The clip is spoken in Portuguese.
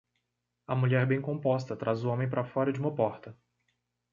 A mulher bem composta traz o homem para fora de uma porta.